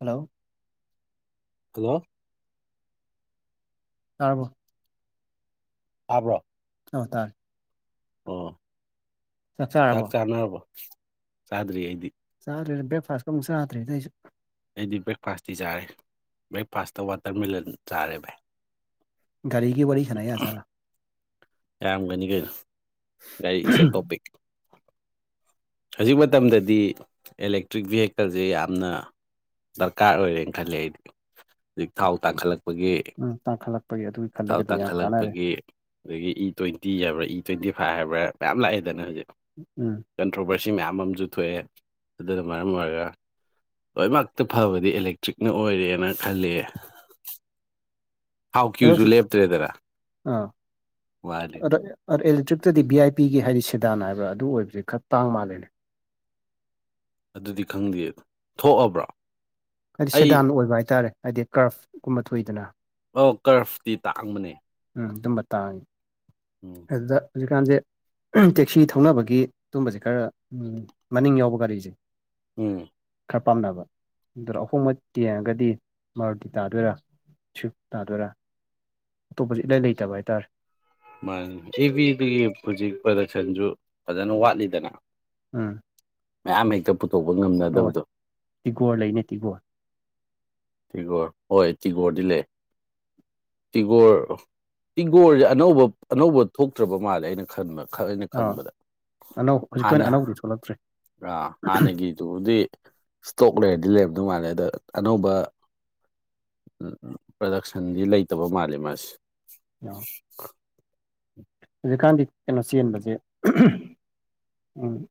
hello hello ꯇꯥꯔꯕꯣ ꯇꯥꯕ꯭ꯔꯣ ꯑꯣ ꯇꯥꯔꯦ ꯑꯣ ꯆꯥꯛ ꯆꯥꯅꯔꯕꯣ ꯆꯥꯗ꯭ꯔꯤ ꯑꯩꯗꯤ ꯆꯥꯗ꯭ꯔꯤꯗ ꯕ꯭ꯔꯦꯛꯐꯥꯁꯀ ꯑꯝ ꯆꯥꯗ꯭ꯔꯤꯗ ꯑꯩꯁꯨ ꯑꯩꯗꯤ ꯕ꯭ꯔꯦꯛꯐꯥꯁꯇꯤ ꯆꯥꯔꯦ ꯕ꯭ꯔꯦꯛꯐꯥꯁꯇ ꯋꯥꯇꯔꯃꯦꯂꯟ ꯆꯥꯔꯦ ꯚꯥꯏ ꯒꯥꯔꯤꯒꯤ ꯋꯥꯔꯤ ꯁꯥꯟꯅ ꯌꯥ ꯖꯥꯠꯅ ꯌꯥꯝꯒꯅꯤ ꯀꯩꯅꯣ ꯂꯒꯥꯔꯤ ꯏꯁ ꯑꯦ ꯇꯣꯄꯤꯛ ꯍꯧꯖꯤꯛ ꯃꯇꯝꯗꯗꯤ ꯑꯦꯂꯦꯛꯇ꯭ꯔꯤꯛ ꯚꯦꯍꯤꯀꯜꯁꯦ ꯌꯥꯝꯅ ꯗꯔꯀꯥꯔ ꯑꯣꯏꯔꯦꯅ ꯈꯜꯂꯦ ꯑꯩꯗꯤ ꯍꯧꯖꯤꯛ ꯊꯥꯎ ꯇꯥꯡꯈꯠꯂꯛ ꯄꯒꯤ ꯎꯝ ꯇꯥꯡꯈꯠꯂꯛꯄꯒꯤ ꯑꯗꯨꯒꯤ ꯊꯥꯎ ꯈꯜꯂꯒꯗꯤ ꯌꯥꯝ ꯀꯥꯟꯅꯔꯦ ꯇꯥꯡꯈꯠꯂꯛꯄꯒꯤ ꯑꯗꯒꯤ ꯏ ꯇ꯭ꯋꯦꯟꯇꯤ ꯍꯥꯏꯕ꯭ꯔꯥ ꯏ ꯇ꯭ꯋꯦꯟꯇꯤ ꯐꯥꯏꯚ ꯍꯥꯏꯕ꯭ꯔꯥ ꯃꯌꯥꯝ ꯂꯥꯛꯑꯦꯗꯅ ꯍꯧꯖꯤꯛ ꯎꯝ ꯀꯟꯇ꯭ꯔꯣꯕꯔꯁꯤ ꯃꯌꯥꯝ ꯑꯃꯁꯨ ꯊꯣꯛꯑꯦ ꯑꯗꯨꯅ ꯃꯔꯝ ꯑꯣꯏꯔꯒ ꯂꯣꯏꯃꯛꯇ ꯐꯕꯗꯤ ꯏꯂꯦꯛꯇ꯭ꯔꯤꯛꯅ ꯑꯣꯏꯔꯦꯅ ꯈꯂꯦ ꯑꯗꯨ [unintelligible] ꯂꯦꯞꯇ꯭ꯔꯦꯗꯅ ꯋꯥꯗꯤ ꯑꯗ ꯑꯗ ꯑꯦꯂꯦꯛꯇ꯭ꯔꯤꯛꯇꯗꯤ ꯚꯝ ꯑꯥꯏ ꯄꯤꯒꯤ ꯍꯥꯏꯗꯤ ꯁꯦꯗꯥꯟ ꯍꯥꯏꯕ꯭ꯔꯥ ꯑꯗꯨ ꯑꯣꯏꯕꯁꯦ ꯈꯔ ꯇꯥꯡ ꯃꯥꯜꯂꯦꯅꯦ ꯑꯗꯨꯗꯤ ꯈꯪꯗꯦ ꯊꯣꯛꯑꯕ꯭ꯔꯣ ꯍꯥꯏꯗꯤ ꯑꯩ ꯁꯦꯗꯥꯟ ꯑꯣꯏꯕ ꯍꯥꯏꯇꯥꯔꯦ ꯍꯥꯏꯗꯤ ꯀ꯭ꯔꯐꯀꯨꯝꯕ ꯊꯣꯛꯏꯗꯅ ꯑꯣ ꯀꯔꯐꯇꯤ ꯇꯥꯡꯕꯅꯦ ꯎꯝ ꯑꯗꯨꯝꯕ ꯇꯥꯡꯉꯦ [inaudible] ꯑꯗꯨꯗ ꯍꯧꯖꯤꯛꯀꯥꯟꯁꯦ ꯇꯦꯛꯁꯤ ꯊꯧꯅꯕꯒꯤ ꯗꯨꯝꯕꯁꯦ ꯈꯔ ꯎꯝ ꯃꯅꯤꯡ ꯌꯥꯎꯕ ꯒꯥꯔꯤꯁꯦ ꯎꯝ ꯈꯔ ꯄꯥꯝꯅꯕ ꯑꯗꯨꯗ ꯑꯍꯣꯡꯕ ꯌꯦꯡꯉꯒꯗꯤ ꯃꯔꯨꯇꯤ ꯇꯥꯗꯣꯏꯔꯥ ꯁꯤꯞ ꯇꯥꯗꯣꯏꯔꯥ ꯑꯇꯣꯞꯄꯁꯨ ꯏꯂꯥꯏ ꯂꯩꯇꯕ ꯍꯥꯏꯇꯥꯔꯦ ꯃꯥ ꯇꯤꯚꯤꯗꯨꯒꯤ ꯍꯧꯖꯤꯛ ꯄ꯭ꯔꯗꯛꯁꯟꯁꯨ ꯐꯖꯅ ꯋꯥꯠꯂꯤꯗꯅ ꯎꯝ ꯃꯌꯥꯝ ꯍꯦꯛꯇ ꯄꯨꯊꯣꯛꯄ ꯑꯣ ꯉꯝꯅꯗꯕꯗꯣ ꯇꯤꯒꯣꯔ ꯂꯩꯅꯦ ꯇꯤꯒꯣꯔ ꯇꯤꯒꯣꯔ ꯍꯣꯏ ꯇꯤꯒꯣꯔꯗꯤ ꯂꯩ ꯇꯤꯒꯣꯔ ꯇꯤꯒꯣꯔꯁꯦ ꯑꯅꯧꯕ ꯑꯅꯧꯕ ꯊꯣꯛꯇ꯭ꯔꯕ ꯃꯥꯜꯂꯦ ꯑꯩꯅ ꯈꯕ ꯈ ꯑꯩꯅ ꯑꯥ ꯈꯪꯕꯗ ꯑꯅꯧ ꯍꯧꯖꯤꯛꯀꯤ ꯑꯣꯏꯅ ꯍꯥꯟꯅ ꯑꯅꯧꯕꯗꯤ ꯊꯣꯛꯂꯛꯇ꯭ꯔꯦ ꯍꯥꯟꯅꯒꯤ ꯑꯗꯨꯕꯨꯗꯤ ꯏꯁꯇꯣꯛ ꯂꯩꯔꯗꯤ ꯂꯩꯔꯝꯗꯧ ꯃꯥꯜꯂꯦ ꯑꯗ ꯑꯅꯧꯕ ꯄ꯭ꯔꯗꯛꯁꯟꯗꯤ ꯂꯩꯇꯕ ꯃꯥꯜꯂꯤ ꯃꯥꯁꯦ [unintelligible] [inaudible] ꯍꯧꯖꯤꯛꯀꯥꯟꯗꯤ ꯀꯩꯅꯣ ꯆꯦꯟꯕꯁꯦ [unintelligible]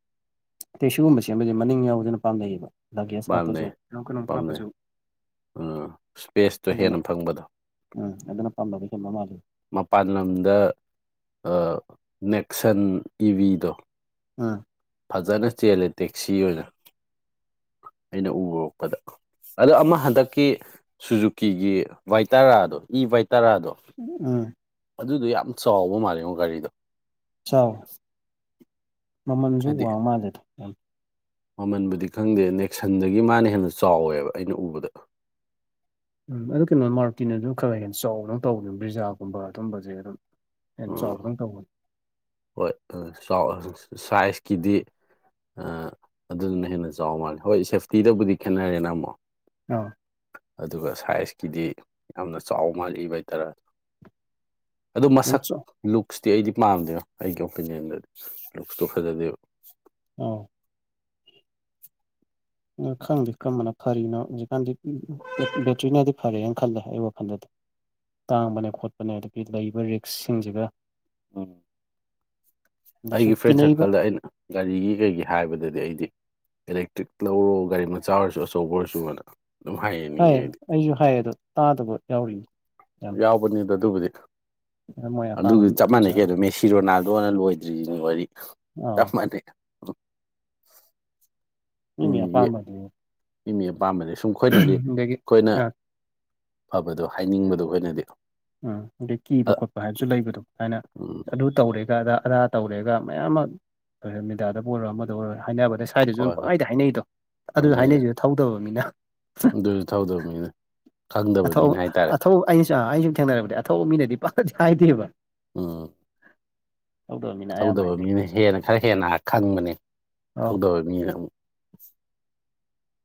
ꯁꯤꯒꯨꯝꯕꯁꯕꯗꯤ ꯃꯅꯤꯡ ꯌꯥꯎꯗꯅ ꯄꯥꯝꯅꯩꯌꯦꯕ ꯂꯒꯦꯁ ꯍꯥꯞꯄꯁꯨ ꯄꯥꯝꯅꯩ ꯀꯩꯅꯣ ꯀꯩꯅꯣꯝ ꯄꯥꯝꯅꯩ ꯍꯥꯞꯄꯁꯨꯨ ꯎꯝ ꯏꯁꯄꯦꯁꯇꯣ ꯍꯦꯟꯅ ꯐꯪꯕꯗꯣ ꯎꯝ ꯑꯗꯨꯅ ꯄꯥꯝꯕꯒ ꯍꯦꯟꯕ ꯃꯥꯜꯂꯦ ꯃꯄꯥꯟ ꯂꯝꯗ ꯅꯦꯛꯁꯟ ꯏꯕꯤꯗꯣ ꯎꯝ ꯐꯖꯅ ꯆꯦꯜꯂꯦ ꯇꯦꯛꯁꯤ ꯑꯣꯏꯅ ꯑꯩꯅ ꯎꯔꯛꯄꯗ ꯑꯗꯣ ꯑꯃ ꯍꯟꯗꯛꯀꯤ ꯁꯨꯖꯨꯀꯤꯒꯤ ꯚꯏ ꯇꯔꯥꯗꯣ ꯏ ꯚꯏ ꯇꯔꯥꯗꯣ [unintelligible] ꯑꯗꯨꯗꯣ ꯌꯥꯝ ꯆꯥꯎꯕ ꯃꯥꯜꯂꯤꯉꯣ ꯒꯥꯔꯤꯗꯣ ꯆꯥꯎ ꯃꯃꯜꯁꯨ ꯍꯥꯏꯗꯤ ꯋꯥ ꯃꯥꯜꯂꯦ ꯊ ꯃꯃꯟꯕꯨꯗꯤ ꯈꯪꯗꯦ ꯅꯦꯛꯁꯟꯗꯒꯤ ꯃꯥꯅ ꯍꯦꯟꯅ ꯆꯥꯎꯋꯦꯕ ꯑꯩꯅ ꯎꯕꯗ ꯑꯗꯨ ꯀꯩꯅꯣ ꯃꯥꯔꯀꯤꯟ ꯑꯗꯨ ꯈꯔ ꯍꯦꯟꯅ ꯆꯥꯎꯅ ꯇꯧꯕꯅꯦ ꯕ꯭ꯔꯤꯖꯥꯒꯨꯝꯕ ꯑꯗꯨꯝꯕꯁꯦ ꯑꯗꯨꯝ ꯍꯩꯅ ꯆꯥꯎꯕ꯭ꯔꯪ ꯇꯧꯕꯅꯤ ꯍꯣꯏ [unintelligible] ꯁꯥꯏꯖꯀꯤꯗꯤ ꯑꯗꯨꯗꯨꯅ ꯍꯦꯟꯅ ꯆꯥꯎ ꯃꯥꯜꯂꯦ ꯍꯣꯏ ꯁꯦꯐꯇꯤꯗꯕꯨꯗꯤ ꯈꯦꯠꯅꯔꯦꯅ ꯑꯃꯨꯛ ꯑꯥ ꯑꯗꯨꯒ ꯁꯥꯏꯖꯀꯤꯗꯤ ꯌꯥꯝꯅ ꯆꯥꯎ ꯃꯥꯜꯂꯤꯕ ꯍꯥꯏꯇꯥꯔꯦ ꯑꯗꯨ ꯌꯥꯝ ꯃꯁꯛ ꯆꯥꯎ ꯂꯨꯛꯁꯇꯤ ꯑꯩꯗꯤ ꯄꯥꯝꯗꯦꯅ ꯑꯩꯒꯤ ꯑꯣꯄꯤꯅꯤꯌꯟꯗꯗꯤ ꯂꯨꯛꯁꯇꯣ ꯐꯖꯗꯦꯕ ꯎꯝ ꯈꯪꯗꯦ ꯀꯔꯝꯕꯅ ꯐꯔꯤꯅꯣ ꯍꯧꯖꯤꯛꯀꯥꯟꯗꯤ ꯕꯦꯇ꯭ꯔꯤꯅꯗꯤ ꯐꯔꯦꯅ ꯈꯜꯂꯦ ꯑꯩ ꯋꯥꯈꯜꯗꯗꯤ ꯇꯥꯡꯕꯅꯦ ꯈꯣꯠꯄꯅꯦ ꯑꯗꯒꯤ ꯂꯩꯕ ꯔꯤꯛꯁꯁꯤꯡꯁꯤꯒ ꯎꯝ ꯑꯗꯩ ꯑꯩꯒꯤ ꯁꯨꯝ ꯐ꯭ꯔꯦꯟ ꯀꯤꯅꯩꯕ ꯁꯥꯔꯀꯜꯗ ꯑꯩꯅ ꯒꯥꯔꯤꯒꯤ ꯀꯩꯒꯤ ꯍꯥꯏꯕꯗꯗꯤ ꯑꯩꯗꯤ ꯑꯦꯂꯦꯛꯇ꯭ꯔꯤꯛ ꯂꯧꯔꯣ ꯒꯥꯔꯤ ꯃꯆꯥ ꯑꯣꯏꯔꯁꯨ ꯑꯆꯧꯕ ꯑꯣꯏꯔꯁꯨꯅ ꯑꯗꯨꯝ ꯍꯥꯏꯌꯦꯅꯤꯡꯉꯦ ꯍꯥꯏ ꯑꯩꯗꯤ ꯑꯩꯁꯨ ꯍꯥꯏꯌꯦꯗꯣ ꯇꯥꯗꯕ ꯌꯥꯎꯔꯤ ꯌꯥꯝ ꯌꯥꯎꯕꯅꯤꯗ ꯑꯗꯨꯕꯨꯗꯤ ꯃꯣꯏ ꯑꯄꯥꯝꯕ ꯑꯗꯨꯗꯤ ꯑꯃ ꯆꯞ ꯃꯥꯟꯅꯩꯀꯦ ꯊꯝꯖꯔꯦ ꯑꯗꯨꯗꯣ ꯃꯦꯁꯤ ꯔꯣꯅꯥꯜꯗꯣꯅ ꯂꯣꯏꯗ꯭ꯔꯤꯁꯤꯅꯤ ꯋꯥꯔꯤ ꯑꯥ [unintelligible] [unintelligible] ꯃꯤ ꯃꯤ ꯑꯄꯥꯝꯕꯅꯤ ꯁꯨꯝ ꯑꯩꯈꯣꯏꯅꯗꯤ ꯑꯗꯒꯤ ꯑꯩꯈꯣꯏꯅ ꯐꯕꯗꯣ ꯍꯥꯏꯅꯤꯡꯕꯗꯣ ꯑꯩꯈꯣꯏꯅꯗꯤ ꯎꯝ ꯑꯗꯩ ꯀꯤꯕ ꯈꯣꯠꯄ ꯍꯥꯏꯕꯁꯨ ꯂꯩꯕꯗꯣ ꯍꯥꯏꯅ ꯎꯝ ꯑꯗꯨ ꯇꯧꯔꯦꯒ ꯑ ꯑꯗꯥꯥ ꯇꯧꯔꯦꯒ ꯃꯌꯥꯝ ꯑꯃ ꯃꯦꯗꯤꯌꯥꯗꯕꯨ ꯑꯣꯏꯔꯣ ꯑꯃꯗ ꯑꯣꯏꯔꯣ ꯍꯥꯏꯅꯕꯗ ꯁ꯭ꯋꯥꯏꯗꯁꯨ ꯑꯗꯨ ꯍꯣꯏ ꯍꯣꯏ ꯄꯉꯥꯏꯗ ꯍꯥꯏꯅꯩꯗꯣ ꯑꯗꯨꯁꯨ ꯍꯣꯏꯅꯦ ꯍꯥꯏꯅꯩꯁꯤꯗ ꯊꯧꯗꯕ ꯃꯤꯅ ꯑꯗꯨꯁꯨ ꯊꯧꯗꯕ ꯃꯤꯅ ꯈꯪꯗꯕ ꯑꯊꯧ ꯃꯤꯅ ꯍꯥꯏꯇꯥꯔꯦ ꯑꯊꯧ ꯑꯩꯅ ꯁꯨ ꯑ ꯑꯩꯁꯨꯝ ꯊꯦꯡꯅꯔꯛꯕꯗꯤ ꯑꯊꯧꯕ ꯃꯤꯅꯗꯤ ꯄꯥꯛꯇꯤ ꯍꯥꯏꯗꯦꯕ ꯎꯝ ꯇꯧꯗꯕ ꯃꯤꯅ ꯑꯌꯥꯝꯕ ꯊꯧꯗꯕ ꯍꯥꯏꯅꯩ ꯃꯤꯅ ꯍꯦꯟꯅ ꯈꯔ ꯍꯦꯟꯅ ꯈꯪꯕꯅꯦ ꯑꯥꯎ ꯊꯧꯗꯕ ꯃꯤꯅ ꯑꯃꯨꯛ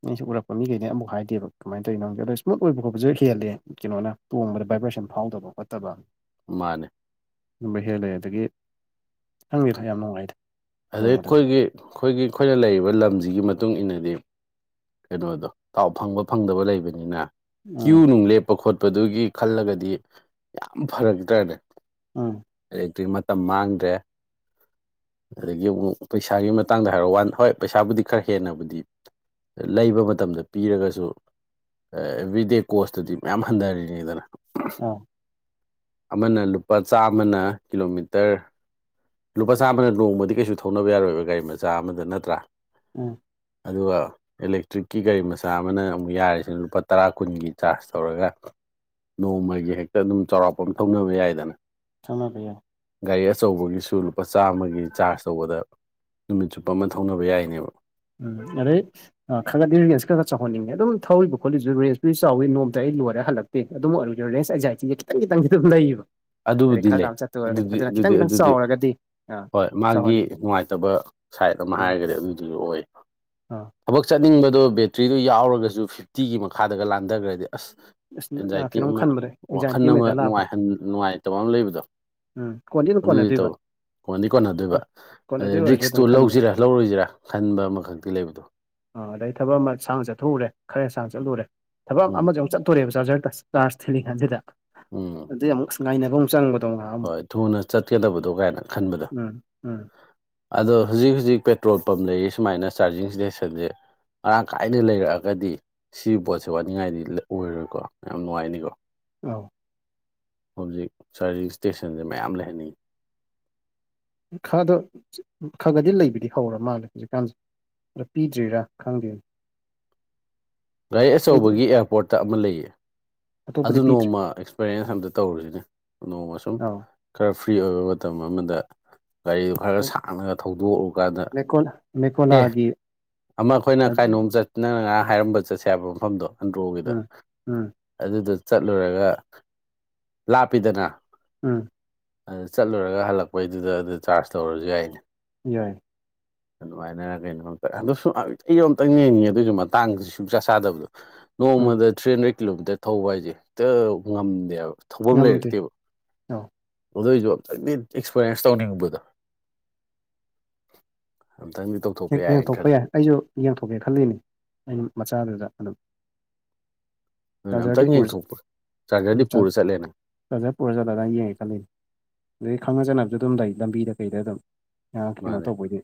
ꯑꯩꯁꯤ ꯎꯔꯛꯄ ꯃꯤꯈꯩꯅꯦ ꯑꯃꯨꯛ ꯍꯥꯏꯗꯦ ꯀꯃꯥꯏ ꯇꯧꯔꯤꯅꯣ ꯈꯪꯗꯦ ꯑꯗꯣ ꯏꯁꯃꯨꯠ ꯑꯣꯏꯕ ꯈꯣꯠꯁꯨ ꯍꯦꯜꯂꯦ ꯀꯩꯅꯣꯅ ꯇꯣꯡꯕꯗ ꯚꯥꯏꯕ꯭ꯔꯦꯁꯟ ꯐꯥꯎꯗꯕ ꯈꯣꯠꯇꯕ ꯃꯥꯅꯦ ꯑꯗꯨꯝꯕ ꯍꯦꯜꯂꯦ ꯑꯗꯒꯤ ꯈꯪꯗꯦꯗ ꯌꯥꯝ ꯅꯨꯡꯉꯥꯏꯗ ꯑꯗꯩ ꯇꯣꯡꯕꯗꯁꯨ ꯑꯩꯈꯣꯏꯒꯤ ꯑꯩꯈꯣꯏꯒꯤ ꯑꯩꯈꯣꯏꯅ ꯂꯩꯔꯤꯕ ꯂꯝꯁꯤꯒꯤ ꯃꯇꯨꯡ ꯏꯟꯅꯗꯤ ꯀꯩꯅꯣꯗꯣ ꯊꯥꯎ ꯐꯪꯕ ꯐꯪꯗꯕ ꯂꯩꯕꯅꯤꯅ ꯀ꯭ꯌꯨ ꯎꯝ ꯅꯨꯡ ꯂꯦꯞ ꯈꯣꯠꯄꯗꯨꯒꯤ ꯈꯜꯂꯒꯗꯤ ꯌꯥꯝ ꯐꯔꯛꯇ꯭ꯔꯅꯦ ꯎꯝ ꯏꯂꯦꯛꯇ꯭ꯔꯤꯛ ꯃꯇꯝ ꯃꯥꯡꯗ꯭ꯔꯦ ꯑꯗꯒꯤ ꯑꯃꯨꯛ ꯄꯩꯁꯥꯒꯤ ꯃꯇꯥꯡꯗ ꯍꯥꯏꯔꯣ ꯋꯥꯟ ꯍꯣꯏ ꯄꯩꯁꯥꯕꯨꯗꯤ ꯈꯔ ꯍꯦꯟꯅꯕꯨꯗꯤ ꯂꯩꯕ ꯃꯇꯝꯗ ꯄꯤꯔꯒꯁꯨ ꯑꯦꯕ꯭ꯔꯤꯗꯦ ꯀꯣꯁꯇꯗꯤ ꯃꯌꯥꯝ ꯍꯟꯊꯔꯤꯅꯤꯗꯅ ꯑꯥꯎ ꯑꯃꯅ ꯂꯨꯄꯥ ꯆꯥꯝꯃꯅ ꯀꯤꯂꯣꯃꯤꯇꯔ ꯂꯨꯄꯥ ꯆꯥꯝꯃꯅ ꯅꯣꯡꯃꯗꯤ ꯀꯩꯁꯨ ꯊꯧꯅꯕ ꯌꯥꯔꯣꯏꯕ ꯒꯥꯔꯤ ꯃꯆꯥ ꯑꯃꯗ ꯅꯠꯇ꯭ꯔꯥ ꯎꯝ ꯑꯗꯨꯒ ꯏꯂꯦꯛꯇ꯭ꯔꯤꯛꯀꯤ ꯒꯥꯔꯤ ꯃꯆꯥ ꯑꯃꯅ ꯑꯃꯨꯛ ꯌꯥꯔꯤꯁꯤꯅ ꯂꯨꯄꯥ ꯇꯔꯥ ꯀꯨꯟꯒꯤ ꯆꯥꯔꯖ ꯇꯧꯔꯒ ꯅꯣꯡꯃꯒꯤ ꯍꯦꯛꯇ ꯑꯗꯨꯝ ꯆꯥꯎꯔꯥꯛꯄ ꯑꯃꯥ ꯊꯧꯅꯕ ꯌꯥꯏꯗꯅ ꯊꯧꯅꯕ ꯌꯥꯏ ꯒꯥꯔꯤ ꯑꯆꯧꯕꯒꯤꯁꯨ ꯂꯨꯄꯥ ꯆꯥꯝꯃꯒꯤ ꯆꯥꯔꯖ ꯇꯧꯕꯗ ꯅꯨꯃꯤꯠ ꯆꯨꯞꯄꯃ ꯊꯧꯅꯕ ꯌꯥꯏꯅꯦꯕ ꯎꯝ ꯑꯗꯩꯩ ꯈꯔꯒꯗꯤ ꯔꯦꯟꯖ ꯈꯔ ꯆꯥꯎꯍꯟꯅꯤꯡꯉꯦ ꯑꯗꯨꯝ ꯊꯧꯔꯤꯕ ꯈꯣꯠꯂꯤꯁꯨ ꯔꯦꯟꯁꯇꯨꯁꯨ ꯆꯥꯎꯋꯂꯏ ꯅꯣꯡꯃ ꯂꯇ ꯑꯩ ꯂꯣꯏꯔ ꯍꯜꯂꯛ ꯇꯦ ꯑꯗꯨꯝ ꯑꯣꯏꯔꯁꯨ ꯔꯦꯟꯁ ꯑꯦꯖꯥꯏꯇꯤꯁꯦ ꯈꯤꯇꯪ ꯈꯤꯇꯪꯗꯤ ꯑꯗꯨꯝ ꯂꯩꯌꯦꯕ ꯍꯥꯏꯗꯤ ꯑꯗꯨꯕꯨꯗꯤ ꯈꯔ ꯂꯩ ꯂꯥꯞꯅ ꯆꯠꯇꯣꯏ ꯍꯣꯏ ꯑꯣꯏꯔꯒꯗꯤ ꯑꯗꯨꯗꯤ ꯑꯗꯨꯅ ꯈꯤꯇꯪ ꯑꯗꯨꯗꯤ ꯈꯤꯇꯪ ꯑꯗꯨꯗꯤ ꯆꯥꯎꯔꯒꯗꯤ ꯑ ꯍꯣꯏ ꯃꯥꯒꯤ ꯆꯥꯎꯍꯟꯅꯤꯡꯉꯤ ꯅꯨꯡꯉꯥꯏꯇꯕ ꯁꯥꯏꯠ ꯑꯃ ꯎꯝ ꯍꯥꯏꯔꯒꯗꯤ ꯑꯗꯨꯗꯨꯁꯨ ꯑꯣꯏ ꯑꯥ ꯊꯕꯛ ꯆꯠꯅꯤꯡꯕꯗꯣ ꯕꯦꯇ꯭ꯔꯤꯗꯨ ꯌꯥꯎꯔꯒꯁꯨ ꯐꯤꯐꯇꯤꯒꯤ ꯃꯈꯥꯗꯒ ꯂꯥꯟꯗꯈꯒꯔꯥꯗꯤ ꯑꯁ ꯑꯁ ꯌꯥ ꯑꯦꯟꯖꯥꯏꯇꯤ ꯀꯩꯅꯣꯝ ꯑꯃ ꯈꯟꯕꯗꯣ ꯋꯥꯈꯟ ꯑꯦꯡꯖꯥꯏꯇꯤ ꯑꯃ ꯍꯦꯛꯇ ꯂꯥꯛꯄꯗꯣ ꯅꯨꯡꯉꯥꯏꯍꯟ ꯅꯨꯡꯉꯥꯏꯇꯕ ꯑꯃ ꯂꯩꯕꯗꯣ ꯎꯝ ꯀꯣꯟꯗꯤ ꯑꯗꯨꯝ ꯑꯗꯨꯗꯤ ꯀꯣꯟꯅꯗꯣꯏꯕ ꯇꯧꯏ ꯀꯣꯟꯗꯤ ꯀꯣꯟꯅꯗꯣꯏꯕ ꯍꯣꯏ ꯀꯣꯟꯅꯗꯣꯏ ꯑꯗꯩ ꯑꯣꯏꯔꯁꯨ ꯔꯤꯛꯁꯇꯨ ꯑꯗꯨꯝ ꯈꯟꯕꯗꯣ ꯂꯧꯁꯤꯔꯥ ꯂꯧꯔꯣꯏꯁꯤꯔꯥ ꯈꯟꯕ ꯑꯃꯈꯛꯇꯤ ꯂꯩꯕꯗꯣ ꯑ ꯑꯗꯩ ꯊꯕꯛ ꯑꯃ ꯁꯥꯡꯅ ꯆꯠꯊꯣꯛꯎꯔꯦ ꯈꯔ ꯁꯥꯡꯅ ꯆꯠꯂꯨꯔꯦ ꯊꯕꯛ ꯎꯝ ꯑꯃꯖꯦꯃꯨꯛ ꯆꯠꯇꯣꯔꯦꯕ ꯆꯥꯔꯖꯔꯗꯁ ꯆꯥꯔꯖ ꯊꯤꯜꯂꯤꯀꯥꯟꯁꯤꯗ ꯎꯝ ꯑꯗꯨꯏ ꯑꯃꯨꯛ ꯉꯥꯏꯅꯕ ꯑꯃꯨꯛ ꯆꯪꯕꯗꯧ ꯉꯍꯥꯛ ꯍꯣꯏ ꯊꯨꯅ ꯆꯠꯀꯗꯕꯗꯣ ꯀꯥꯏꯅ ꯈꯟꯕꯗꯣ ꯎꯝ ꯎꯝ ꯑꯗꯣ ꯍꯨꯖꯤꯛ ꯍꯨꯖꯤꯛ ꯄꯦꯇ꯭ꯔꯣꯜ ꯄꯝ ꯂꯩꯔꯤ ꯁꯨꯃꯥꯏꯅ ꯆꯥꯔꯖꯤꯡ ꯏꯁꯇꯦꯁꯟꯁꯦ ꯃꯔꯥꯡ ꯀꯥꯏꯅ ꯂꯩꯔꯛꯑꯒꯗꯤ ꯁꯤꯒꯤ ꯄꯣꯠꯁꯦ ꯋꯥꯅꯤꯡꯉꯥꯏꯗꯤ ꯑꯣꯏꯔꯣꯏꯀꯣ ꯌꯥꯝ ꯅꯨꯡꯉꯥꯏꯅꯤꯀꯣ ꯑꯧ ꯍꯧꯖꯤꯛ ꯆꯥꯔꯖꯤꯡ ꯏꯁꯇꯦꯁꯟꯁꯦ ꯃꯌꯥꯝ ꯂꯩꯍꯟꯅꯤꯡꯉꯤ ꯈꯔꯗꯣ ꯈꯔ ꯒꯗꯤ ꯂꯩꯕꯗꯤ ꯍꯧꯔ ꯃꯥꯜꯂꯦ ꯍꯧꯖꯤꯛꯀꯥꯟꯁꯦ ꯑꯗꯣ ꯄꯤꯗ꯭ꯔꯤꯔꯥ ꯈꯪꯗꯦ ꯒꯥꯔꯤ ꯑꯩꯗꯤ ꯑꯆꯧꯕꯒꯤ ꯑꯦꯌꯥꯔꯄꯣꯔꯠꯇ ꯑꯃ ꯂꯩꯌꯦ ꯑꯇꯣꯞꯄꯗꯤ ꯑꯗꯨ ꯄꯤꯗ꯭ꯔꯤ ꯅꯣꯡꯃ ꯑꯦꯛꯁꯄꯔꯌꯦꯟꯁ ꯑꯝꯇ ꯇꯧꯔꯨꯁꯤꯅꯦ ꯅꯣꯡꯃ ꯁꯨꯝ ꯑꯧ ꯈꯔ ꯐ꯭ꯔꯤ ꯑꯣꯏꯕ ꯃꯇꯝ ꯑꯃꯗ ꯒꯥꯔꯤꯗꯨ ꯈꯔ ꯁꯥꯡꯅ ꯊꯧꯗꯣꯛꯎꯀꯥꯟꯗꯥꯥ ꯃꯦꯀꯣꯟ ꯑꯦ ꯃꯦꯀꯣꯂꯥꯒꯤ ꯑꯃ ꯑꯩꯈꯣꯏꯅ ꯀꯥꯏꯅꯣꯝ ꯆꯠ ꯅꯪꯅ ꯉꯔꯥꯡ ꯍꯥꯏꯔꯝꯕ ꯆꯠꯁꯦ ꯍꯥꯏꯕ ꯃꯐꯝꯗꯣ ꯑꯟꯗ꯭ꯔꯣꯒꯤꯗ ꯎꯝ ꯎꯝ ꯑꯗꯨꯗꯣ ꯆꯠꯂꯨꯔꯒ ꯂꯥꯞꯄꯤꯗꯅ ꯎꯝ ꯑꯗꯨ ꯆꯠꯂꯨꯔꯒ ꯍꯜꯂꯛꯄꯩꯗꯨꯗ ꯑꯗꯨ ꯆꯥꯔꯖ ꯇꯧꯔꯁꯨ ꯌꯥꯏꯅꯦ ꯌꯥꯏ [inaudible] ꯑꯗꯨꯃꯥꯏꯅꯔ ꯀꯩꯅꯣꯝ ꯑꯝꯇꯥ ꯗꯨꯁꯨ ꯑꯥ [unintelligible] ꯑꯃꯇꯪ ꯌꯦꯡꯉꯦ ꯑꯗꯨꯏꯁꯨ ꯃꯇꯥꯡꯗꯨ ꯁꯨꯡ ꯆꯥ ꯆꯥꯗꯕꯗꯣ ꯎꯝ ꯅꯣꯡꯃꯗ ꯊ꯭ꯔꯤ ꯍꯟꯗ꯭ꯔꯦꯠ ꯀꯤꯂꯣꯃꯤꯇꯔ ꯊꯧꯕ ꯍꯥꯏꯁꯦ ꯍꯦꯛꯇ ꯉꯝꯗꯦꯕ ꯊꯧꯐꯝ ꯉꯝꯗꯦ ꯂꯩꯔꯛꯇꯦꯕ ꯑꯧ ꯑꯗꯨꯏꯁꯨ ꯑꯝꯇꯪꯗꯤ ꯑꯦꯛꯁꯄꯤꯔꯤꯌꯦꯟꯁ ꯇꯧꯅꯤꯡꯕꯗꯣ ꯑꯝꯇꯪꯗꯤ ꯇꯧ ꯍꯦꯛ ꯌꯦꯡꯊꯣꯛꯄ ꯌꯥꯏ ꯑꯩꯁꯨ ꯌꯦꯡꯊꯣꯛꯀꯦ ꯈꯜꯂꯤꯅꯦ ꯑꯩꯩꯅ ꯃꯆꯥꯗꯨꯗ ꯑꯗꯨꯝ ꯑꯗꯨꯅ ꯆꯥꯔꯖꯔꯗꯤ ꯑꯝꯇꯪ ꯄꯨꯔꯁꯤ ꯌꯦꯡꯊꯣꯛꯄꯥ ꯆꯥꯔꯖ꯭ꯔꯗꯤ ꯄꯨꯔ ꯆꯠꯂꯦꯅ ꯆꯥꯔꯖ꯭ꯔ ꯄꯨꯔ ꯆꯠꯂꯀꯥꯟ ꯌꯦꯡꯉꯦ ꯈꯜꯂꯤ ꯑꯗꯩ ꯈꯪꯅ ꯆꯅꯕꯁꯨ ꯑꯗꯨꯝ ꯂꯩ ꯂꯝꯕꯤꯗ ꯀꯩꯗ ꯑꯗꯨꯝ ꯑ ꯀꯩꯅꯣ ꯃꯥꯅꯦ ꯇꯧꯕ ꯑꯣꯏꯗꯤ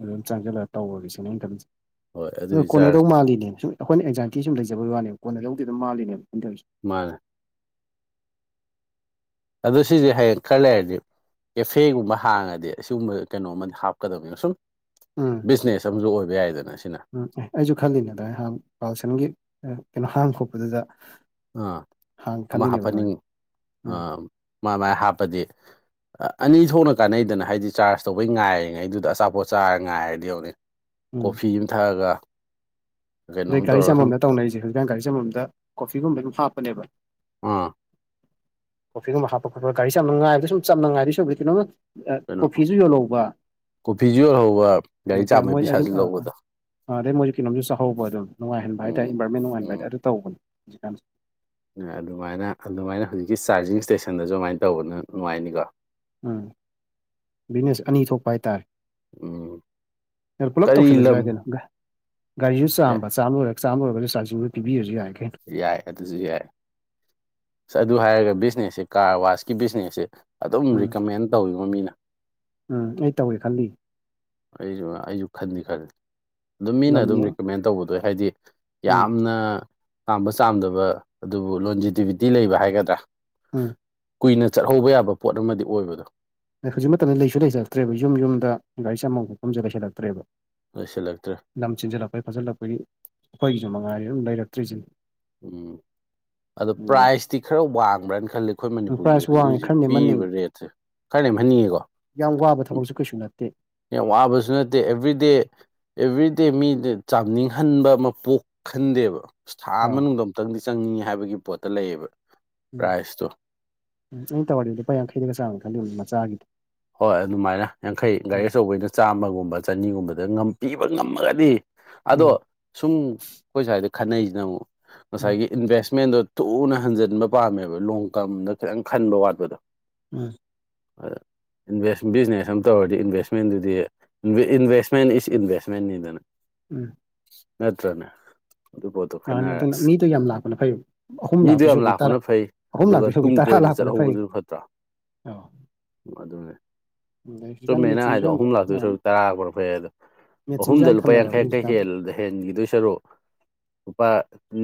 ꯑꯗꯨꯝ ꯆꯪꯁꯜꯂ ꯇꯧꯔꯒꯦꯁꯤꯅꯤ ꯑꯩꯅ ꯈꯜꯂꯤꯖꯦ ꯍꯣꯏ ꯗꯣ ꯑꯗꯨꯒꯤ ꯀꯣꯟꯅꯗꯧ ꯆꯥꯔꯖ ꯃꯥꯜꯂꯤꯅꯦ ꯁꯨꯝ ꯑꯩꯈꯣꯏꯅ ꯑꯦꯟꯖꯥꯏꯇꯤ ꯁꯨꯝ ꯂꯩꯖꯕꯩ ꯋꯥꯅꯦꯕ ꯀꯣꯟꯅ ꯗꯧꯗꯤ ꯑꯗꯨꯝ ꯃꯥꯜꯂꯤꯅꯦꯕ ꯑꯗꯨꯏꯁꯨ ꯃꯥꯅꯦ ꯑꯗꯨ ꯁꯤꯁꯦ ꯍꯌꯦꯡ ꯈꯔ ꯂꯩꯔꯗꯤ ꯀꯦꯐꯦꯒꯨꯝꯕ ꯍꯥꯡꯉꯗꯤ ꯑꯁꯤꯒꯨꯝꯕ ꯀꯩꯅꯣ ꯑꯃꯗꯤ ꯍꯥꯞꯀꯗꯕꯅꯤ ꯁꯨꯝ ꯎꯝ ꯕꯤꯖꯅꯦꯁ ꯑꯃꯁꯨ ꯑꯣꯏꯕ ꯌꯥꯏꯗꯅ ꯁꯤꯅ ꯎꯝ ꯑꯦ ꯑꯩꯁꯨ ꯈꯜꯂꯤꯅꯦꯗꯥꯏ ꯍꯥꯡ ꯄꯥꯜꯁꯟꯒꯤ ꯑꯥ ꯀꯩꯅꯣ ꯍꯥꯡ ꯈꯣꯠꯄꯗꯨꯗ ꯑꯥ ꯍꯥꯡ ꯑꯃ ꯈꯜꯂꯤꯅꯦꯕ ꯑꯗꯨꯃꯥꯏꯅ ꯍꯥꯞꯄꯟꯅꯤꯡꯉꯤ ꯎꯝ ꯑꯥ ꯃꯥ ꯃꯥꯥꯏ ꯍꯥꯞꯄꯗꯤ ꯑꯅꯤ ꯊꯣꯛꯅ ꯀꯥꯟꯅꯩꯗꯅ ꯍꯥꯏꯗꯤ ꯆꯥꯔꯖ ꯇꯧꯕꯩ ꯉꯥꯏꯔꯤꯉꯩꯗꯨꯗ ꯑꯆꯥꯄꯣꯠ ꯆꯥꯔ ꯉꯥꯏꯔꯗꯤ ꯌꯧꯅꯤ ꯎꯝ ꯀꯣꯐꯤ ꯑꯃ ꯊꯛꯑꯒ ꯑꯗꯩ ꯀꯩꯅꯣꯝ ꯒꯥꯔꯤ ꯇꯧꯔꯒ ꯁꯨꯝ ꯆꯥꯝꯕꯝꯗ ꯇꯧꯅꯔꯤꯁꯦ ꯍꯧꯖꯤꯀꯥꯟ ꯒꯥꯔꯤ ꯆꯥꯝꯕꯝꯗ ꯀꯣꯐꯤꯒꯨꯝꯕ ꯑꯗꯨꯝ ꯍꯥꯞꯄꯅꯦꯕ ꯑꯥ ꯀꯣꯐꯤꯒꯨꯝꯕ ꯍꯥꯞꯄ ꯈꯣꯠꯄ ꯒꯥꯔꯤ ꯆꯥꯝꯕ ꯉꯥꯏꯕ ꯁꯨꯝ ꯆꯝꯅꯥ ꯉꯥꯏꯗꯨꯏ ꯁꯔꯨꯛꯄꯨꯗꯤ ꯀꯩꯅꯣꯝꯃꯥ ꯀꯩꯅꯣ ꯀꯣꯐꯤꯁꯨ ꯌꯣꯜꯍꯧꯕ ꯀꯣꯐꯤꯁꯨ ꯌꯣꯜꯍꯧꯕ ꯒꯥꯔꯤ [unintelligible] ꯆꯥꯝꯕꯩ ꯃꯣꯏ ꯑꯗꯨꯝ ꯄꯩꯁꯥꯁꯨ ꯑꯥ ꯑꯥ ꯂꯧꯕꯗꯣ ꯑꯗꯩꯩ ꯃꯣꯏꯁꯨ ꯀꯩꯅꯣꯃꯗꯤ ꯆꯥ ꯍꯧꯕ ꯑꯗꯨ ꯅꯨꯡꯉꯥꯏꯍꯟꯕ ꯍꯥꯏ ꯇꯥꯏ ꯎꯝ ꯏꯟꯚꯥꯏꯔꯟꯃꯦꯟ ꯅꯨꯡꯉꯥꯏꯍꯟꯕ ꯎꯝ ꯍꯥꯏꯇꯥꯏ ꯑꯗꯨ ꯇꯧꯕꯅꯦ ꯍꯧꯖꯤꯛꯀꯥꯟꯁꯦ ꯑꯗꯨꯃꯥꯏꯅ ꯑꯗꯨꯃꯥꯏꯅ ꯍꯧꯖꯤꯛꯀꯤ ꯆꯥꯔꯖꯤꯡ ꯏꯁꯇꯦꯁꯟꯗꯁꯨ ꯑꯗꯨꯃꯥꯏꯅ ꯇꯧꯕꯅ ꯅꯨꯡꯉꯥꯏꯅꯤꯀꯣ ꯎꯝ ꯕꯤꯖꯤꯅꯦꯁ ꯑꯅꯤ ꯊꯣꯛꯄ ꯍꯥꯏꯇꯥꯔꯦ ꯎꯝ ꯄꯨꯂꯞ ꯀꯔꯤ ꯇꯧꯁꯤꯜꯂꯁꯨ ꯂꯝ ꯌꯥꯏ ꯀꯩꯅꯣ ꯒꯥꯔꯤꯁꯨ ꯆꯥꯝꯕ ꯆꯥꯝ ꯂꯣꯏꯔꯒ ꯆꯥꯝꯔꯒꯁꯨ ꯆꯥꯔꯖꯤꯠꯗꯨ ꯄꯤꯕꯤꯔꯁꯨ ꯌꯥꯏ ꯀꯩꯅꯣ ꯌꯥꯏ ꯑꯗꯨꯁꯨ ꯌꯥꯏ ꯑꯁ ꯑꯗꯨ ꯍꯥꯏꯔꯒ ꯕꯤꯖꯤꯅꯦꯁꯁꯦ ꯀꯥꯔꯋꯥꯁꯀꯤ ꯕꯤꯖꯤꯅꯦꯁꯁꯦ ꯑꯗꯨꯝ ꯎꯝ ꯔꯤꯀꯃꯦꯟ ꯇꯧꯋꯤꯕꯣ ꯃꯤꯅ ꯎꯝ ꯑꯩ ꯇꯧꯒꯂ ꯈꯜꯂꯤꯌꯦ ꯑꯩꯁꯨ ꯑꯩꯁꯨ ꯈꯟꯗꯤ ꯈꯜꯂꯤ ꯑꯗꯨꯝ ꯃꯤꯅ ꯂꯝ ꯑꯗꯨꯝ ꯌꯦꯡ ꯔꯤꯀꯃꯦꯟ ꯇꯧꯕꯗ ꯍꯥꯏꯗꯤ ꯎꯝ ꯌꯥꯝꯅ ꯆꯥꯝꯕ ꯆꯥꯝꯗꯕ ꯑꯗꯨꯕꯨ ꯂꯣꯟꯖꯦꯇꯤꯕꯤꯇꯤ ꯂꯩꯕ ꯍꯥꯏꯒꯗ꯭ꯔꯥ ꯎꯝ ꯀꯨꯏꯅ ꯆꯠꯍꯧꯕ ꯌꯥꯕ ꯄꯣꯠ ꯑꯃꯗꯤ ꯑꯣꯏꯕꯗꯣ ꯍꯧꯖꯤꯛ ꯃꯇꯝꯗ ꯂꯩꯁꯨ ꯂꯩꯁꯤꯜꯂꯛꯇ꯭ꯔꯦꯕ ꯌꯨꯝ ꯌꯨꯝꯗ ꯒꯥꯔꯤ ꯆꯥꯝꯕꯝ ꯈꯣꯠꯐꯝꯁꯨ ꯂꯩꯁꯤꯜꯂꯛꯇ꯭ꯔꯦꯕ ꯂꯩꯁꯤꯜꯂꯛꯇ꯭ꯔꯦ ꯂꯝ ꯆꯤꯟꯖꯜꯂꯛꯄꯒꯤ ꯈꯣꯠꯂꯛꯄꯒꯤ ꯑꯩꯈꯣꯏꯒꯤꯁꯨ ꯃꯉꯥꯏꯔꯦ ꯑꯗꯨꯝ ꯂꯩꯔꯛꯇ꯭ꯔꯤꯁꯤꯅꯤ ꯎꯝ ꯑꯗꯣ ꯄ꯭ꯔꯥꯏꯖꯇꯤ ꯈꯔ ꯋꯥꯡꯕ꯭ꯔꯅ ꯈꯜꯂꯤ ꯑꯩꯈꯣꯏ ꯃꯅꯤꯄꯨꯔꯒꯤ ꯄ꯭ꯔꯥꯏꯁ ꯍꯧꯖꯤꯛ ꯋꯥꯡꯉꯦ ꯍꯧꯖꯤꯛ ꯈꯔ ꯅꯦꯝꯍꯟꯅꯤꯡ ꯄꯤꯔꯤꯕ ꯔꯦꯠ ꯈꯔ ꯅꯦꯝꯍꯟꯅꯤꯡꯉꯤꯀꯣ ꯌꯥꯝ ꯋꯥꯕ ꯊꯕꯛꯁꯨ ꯀꯩꯁꯨ ꯅꯠꯇꯦ ꯌꯥꯝ ꯋꯥꯕꯁꯨ ꯅꯠꯇꯦ ꯑꯦꯕ꯭ꯔꯤꯗꯦ ꯑꯦꯕ꯭ꯔꯤꯗꯦ ꯃꯤꯗ ꯆꯥꯝꯅꯤꯡꯍꯟꯕ ꯑꯃ ꯄꯣꯛꯍꯟꯗꯦꯕ ꯑꯁ ꯊꯥ ꯑꯥ ꯑꯃꯅꯨꯡꯗꯣ ꯑꯃꯨꯛꯇꯪꯗꯤ ꯆꯪꯅꯤꯡꯉꯦ ꯍꯥꯏꯕꯒꯤ ꯄꯣꯠꯇ ꯂꯩꯌꯦꯕ ꯎꯝ ꯄ꯭ꯔꯥꯏꯖꯇꯣ ꯎꯝ ꯑꯩ ꯇꯧꯔꯗꯤ ꯂꯨꯄꯥ ꯌꯥꯈꯩꯗꯒ ꯆꯥꯝꯒꯦꯅ ꯈꯜꯂꯤꯕꯅꯤ ꯃꯆꯥꯒꯤꯗꯤ ꯍꯣꯏ ꯑꯗꯨꯃꯥꯏꯅ ꯌꯥꯡꯈꯩ ꯎꯝ ꯒꯥꯔꯤ ꯑꯆꯧꯕꯩꯅ ꯆꯥꯝꯃꯒꯨꯝꯕ ꯆꯅꯤꯒꯨꯝꯕꯗ ꯄꯤꯕ ꯉꯝꯃꯒꯗꯤ ꯑꯗꯣ ꯎꯝ ꯁꯨꯝ ꯑꯩꯈꯣꯏ ꯁ꯭ꯋꯥꯏꯗ ꯈꯟꯅꯩꯁꯤꯅ ꯑꯃꯨꯛ ꯎꯝ ꯉꯁꯥꯏꯒꯤ ꯏꯟꯚꯦꯁꯃꯦꯟꯗꯣ ꯊꯨꯅ ꯍꯟꯖꯤꯟꯕ ꯄꯥꯝꯃꯦꯕ ꯂꯣꯡ ꯇꯔꯝꯗ ꯈꯤꯇꯪ ꯈꯟꯕ ꯋꯥꯠꯄꯗꯣ ꯎꯝ ꯚ ꯕꯤꯖꯤꯅꯦꯁ ꯑꯃ ꯇꯧꯔꯗꯤ ꯏꯟꯚꯦꯁꯃꯦꯟꯗꯨꯗꯤ ꯏꯟꯚꯦꯁꯃꯦꯟ ꯏꯁ ꯏꯟꯚꯦꯁꯃꯦꯟꯅꯤꯗꯅ ꯎꯝ ꯅꯠꯇ꯭ꯔꯅꯦ ꯑꯗꯨ ꯃꯥꯅꯦ ꯈꯟꯅꯔ ꯑꯗꯨꯅ ꯑꯁ ꯃꯤꯗꯣ ꯌꯥꯝ ꯂꯥꯛꯄꯅ ꯐꯩ ꯑꯍꯨꯝ ꯃꯤꯗꯣ ꯂꯥꯛꯇꯣꯏ ꯌꯥꯝ ꯁꯨꯕꯤꯤ ꯇꯔꯥ ꯂꯥꯛꯄꯅ ꯐꯩ ꯑꯍꯨꯝ ꯑꯗꯨꯒ ꯂꯥꯛꯇꯣꯏ ꯁꯕꯤꯦ ꯇꯨꯡ ꯇꯔꯥ ꯀꯣꯏꯅ ꯂꯥꯛꯄꯅ ꯐꯩ ꯆꯠꯍꯧꯕꯗꯨꯅ ꯐꯠꯇ꯭ꯔꯥ ꯑ ꯑꯗꯨꯅꯦ ꯆꯨꯝꯃꯦꯅ ꯃꯦꯆꯤꯟꯁꯨ ꯍꯥꯏꯗꯣ ꯌꯥꯝ ꯑꯍꯨꯝ ꯂꯥꯛꯇꯣꯏ ꯑꯥ ꯁ ꯇꯔꯥꯄꯔ ꯐꯩ ꯑꯗꯣ ꯃꯦꯆꯤꯟꯁꯨ ꯑꯍꯨꯝꯗ ꯌꯥꯝ ꯂꯨꯄꯥ ꯌꯥꯡꯈꯩ ꯊꯝꯅꯔꯕꯅꯤ ꯌꯥꯡꯈꯩ ꯍꯧꯖꯤꯛꯀꯥꯟꯗꯤ ꯌꯦꯜꯂꯗꯤꯦ ꯍꯦꯟꯒꯤꯗꯣꯏ ꯁꯔꯨꯛ ꯂꯨꯄꯥ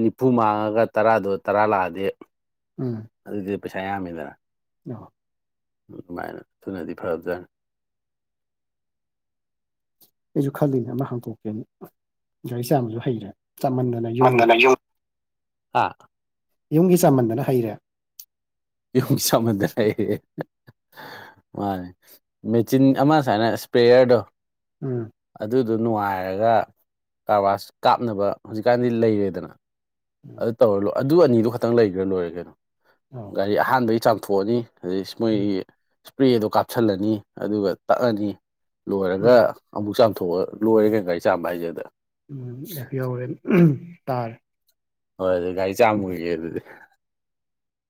ꯅꯤꯐꯨ ꯃꯥꯡꯉꯒ ꯇꯔꯥꯗꯣ ꯇꯔꯥ ꯂꯥꯛꯑꯗꯤ ꯎꯝ ꯑꯗꯨꯗꯤ ꯄꯩꯁꯥ ꯌꯥꯝꯃꯤꯗ ꯑ ꯑꯗꯨꯃꯥꯏꯅ ꯊꯅꯗꯤ ꯐꯔꯔꯕꯖꯥꯅꯤ ꯑꯩꯁꯨ ꯈꯜꯂꯤꯅꯦ ꯑꯃ ꯍꯥꯡꯇꯣꯛꯀꯦꯅ ꯆꯥꯝꯃꯁꯨ ꯍꯩꯔꯦ ꯆꯥꯃꯟꯗꯅ ꯌꯨꯝꯒꯤ ꯃꯗꯅ ꯌꯨꯝ ꯌꯨꯝꯒꯤ ꯆꯃꯟꯗꯅ ꯍꯩꯔꯦ ꯌꯨꯝ ꯁꯃꯨꯗꯥꯏ ꯃꯥꯅꯦ ꯃꯦꯆꯤꯟ ꯑꯃꯨ ꯍꯥꯏꯅ ꯏꯁꯄ꯭ꯔꯦꯌꯔꯗꯣ ꯎꯝ ꯑꯗꯨꯗꯣ ꯅꯨꯡꯉꯥꯏꯔꯒ ꯀꯔꯕꯥꯔꯁ ꯀꯥꯞꯅꯕ ꯍꯧꯖꯤꯛꯀꯥꯟꯗꯤ ꯂꯩꯔꯦꯗꯅ ꯎꯝ ꯑꯗꯨ ꯇꯧꯔ ꯂꯣꯏ ꯑꯗꯨ ꯑꯅꯤꯗꯨ ꯈꯛꯇꯪ ꯂꯩꯈ꯭ꯔ ꯂꯣꯏꯔꯦ ꯀꯩꯅꯣ ꯑꯥꯎ ꯒꯥꯔꯤ ꯑꯍꯥꯟꯕꯩ ꯆꯥꯝꯊꯣꯛꯑꯅꯤ ꯑꯗꯩ ꯎꯝ ꯃꯣꯏꯒꯤ ꯏꯁꯄ꯭ꯔꯦꯗꯣ ꯀꯥꯞꯁꯤꯜꯂꯅꯤ ꯑꯗꯨꯒ ꯇꯛꯑꯅꯤ ꯂꯣꯏꯔꯒ ꯎꯝ ꯑꯃꯨꯛ ꯆꯥꯝꯊꯣꯛꯑꯒ ꯂꯣꯏꯔꯦꯒꯩ ꯒꯥꯔꯤ ꯆꯥꯝꯕ ꯍꯥꯏꯁꯦꯗ ꯎ ꯌꯥ ꯌꯥꯎꯔꯦ ꯇꯥꯔꯦ ꯍꯣꯏ ꯑꯗꯨꯗꯤ ꯒꯥꯔꯤ ꯆꯥꯃꯨꯒꯤꯒꯦ ꯑꯗꯨꯗꯤ